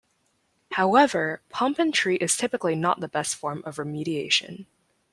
However, pump and treat is typically not the best form of remediation.